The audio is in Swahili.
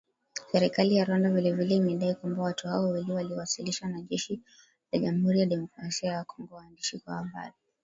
Serikali ya Rwanda vile vile imedai kwamba watu hao wawili waliowasilishwa na jeshi la Jamhuri ya kidemokrasia ya Kongo kwa waandishi wa habari.